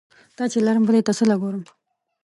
تا چې لرم بلې ته څه له ګورم؟